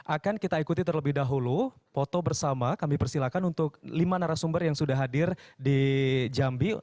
akan kita ikuti terlebih dahulu foto bersama kami persilakan untuk lima narasumber yang sudah hadir di jambi